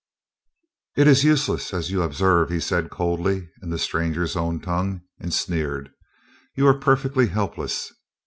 "It is useless, as you observe," he said coldly, in the stranger's own tongue, and sneered. "You are perfectly helpless.